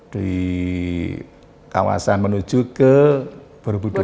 di kawasan menuju ke borobudur